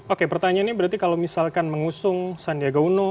oke pertanyaannya berarti kalau misalkan mengusung sandiaga uno